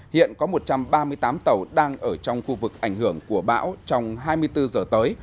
hiện có một trăm ba mươi tám tàu đang ở trong khu vực ảnh hưởng của bão trong hai mươi bốn giờ tới